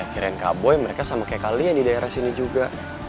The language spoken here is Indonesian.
gimana ya kirain kak boy mereka sama kayak kalian di daerah sini juga